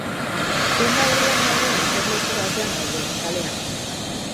Denda aurrean dagoen eserleku batean gaude, kalean.